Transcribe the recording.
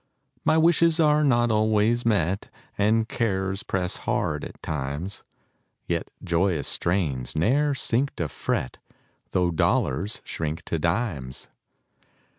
My wishes are not always met, And cares press hard at times; Yet joyous strains ne'er sink to fret, Tho' dollars shrink to dimes.